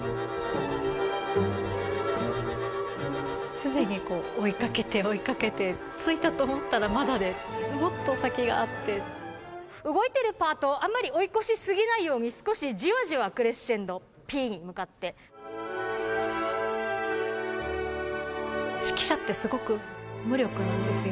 常に追いかけて追いかけて着いたと思ったらまだでもっと先があって動いてるパートあんまり追い越しすぎないように少しじわじわクレッシェンド指揮者ってすごく無力なんですよ